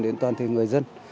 đến toàn thể người dân